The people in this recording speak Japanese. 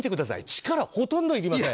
力、ほとんどいりません。